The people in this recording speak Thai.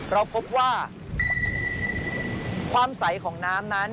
เราพบว่าความใสของน้ำนั้น